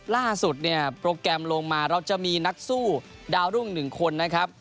ล่าสุดเนี่ยโปรแกรมลงมาเราจะมีนักสู้ดาวรุ่ง๑คนนะครับ